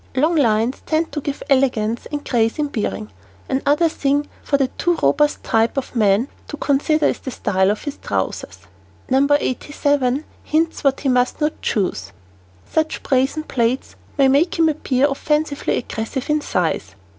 Long lines tend to give elegance and grace in bearing. Another thing for the too robust type of man to consider is the style of his trousers. No. 87 hints what he must not choose. Such brazen plaids only make him appear offensively aggressive in size.